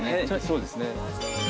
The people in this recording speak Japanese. そうですね。